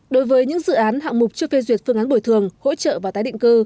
đối với những dự án hạng mục chưa phê duyệt phương án bồi thường hỗ trợ và tái định cư